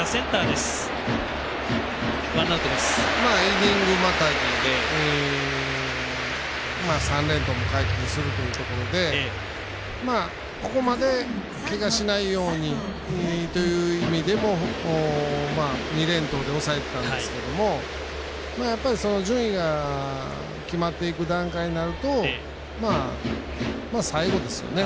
イニングまたぎ３連投も解禁するというところでここまで、けがしないようにという意味でも２連投で抑えてたんですけど順位が決まっていく段階になると最後ですよね。